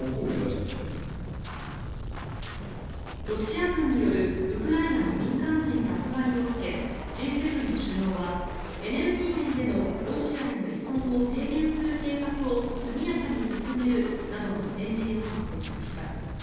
ロシア軍によるウクライナの民間人殺害を受けＧ７の首脳はエネルギー面でのロシアへの依存を低減する計画を速やかに進めるなどの声明を発表しました。